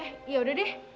eh yaudah deh